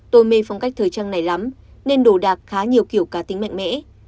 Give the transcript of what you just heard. tôi mê phong cách thời trang này lắm nên đồ đạc khá nhiều kiểu cá tính mạnh mẽ